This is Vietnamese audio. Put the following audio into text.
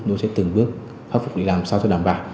nó sẽ từng bước khắc phục để làm sao cho đảm bảo